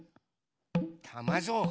たまぞう。